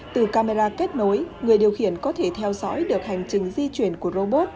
từ camera kết nối người điều khiển có thể theo dõi được hành trình di chuyển của robot